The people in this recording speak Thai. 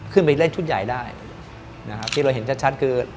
ขึ้นไปเล่นชุดใหญ่ได้นะครับที่เราเห็นชัดคือ